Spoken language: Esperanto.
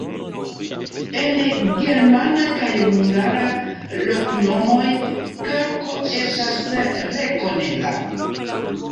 En la germana kaj hungara loknomoj kalko estas rekonebla.